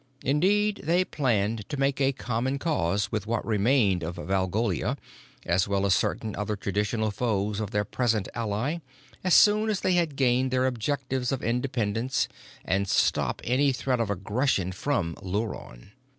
Indeed, they planned to make common cause with what remained of Valgolia, as well as certain other traditional foes of their present ally, as soon as they had gained their objectives of independence, and stop any threat of aggression from Luron.